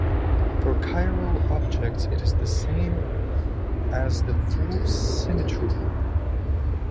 For chiral objects it is the same as the full symmetry group.